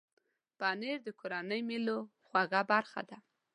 پنېر د کورنۍ مېلو خوږه برخه ده.